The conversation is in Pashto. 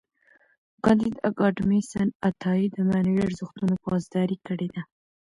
کانديد اکاډميسن عطایي د معنوي ارزښتونو پاسداري کړې ده.